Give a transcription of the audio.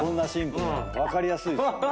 分かりやすいです。